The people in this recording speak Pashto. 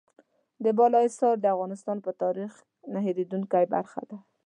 د کابل بالا حصار د افغانستان د تاریخ نه هېرېدونکې برخه ده.